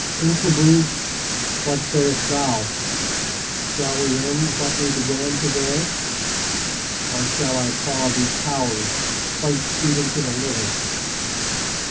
"Incubu, what sayest thou, shall we end what we began to day, or shall I call thee coward, white—even to the liver?"